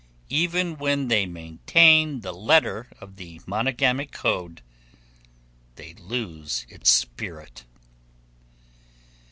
Even when they maintain the letter of the monogamic code, they lose its spirit.